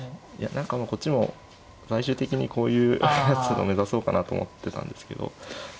何かもうこっちも最終的にこういうやつを目指そうかなと思ってたんですけど。